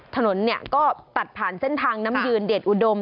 ถนนเนี่ยก็ตัดผ่านเส้นทางน้ำยืนเดชอุดม